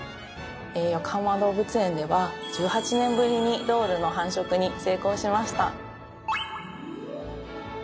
よこはま動物園では１８年ぶりにドールの繁殖に成功しました。